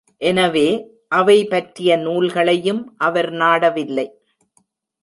எனவே, அவை பற்றிய நூல்களையும் அவர் நாடவில்லை.